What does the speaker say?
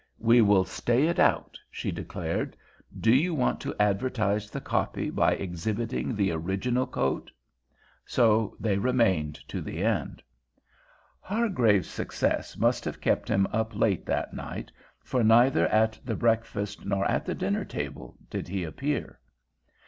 "We will stay it out," she declared. "Do you want to advertise the copy by exhibiting the original coat?" So they remained to the end. Hargraves's success must have kept him up late that night, for neither at the breakfast nor at the dinner table did he appear.